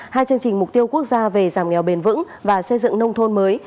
hai chương trình mục tiêu quốc gia về giảm nghèo bền vững và xây dựng nông thôn mới